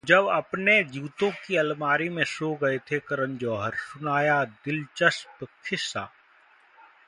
जब अपने जूतों की अलमारी में सो गए थे करण जौहर, सुनाया दिलचस्प किस्सा